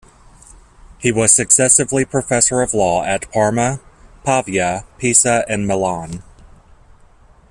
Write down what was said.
He was successively professor of law at Parma, Pavia, Pisa and Milan.